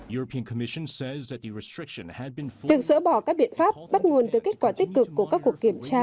việc dỡ bỏ các biện pháp bắt nguồn từ kết quả tích cực của các cuộc kiểm tra